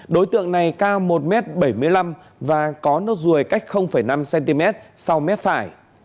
đối tượng này cao một m bảy mươi năm và có nốt ruồi cách năm cm sau mép phải